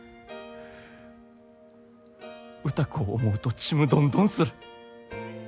歌子を思うとちむどんどんする。